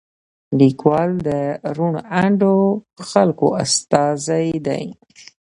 لیکوال د روڼ اندو خلکو استازی دی.